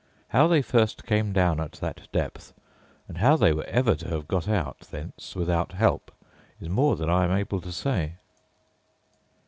How they first came down at that depth, and how they were ever to have got out thence without help, is more than I am able to say.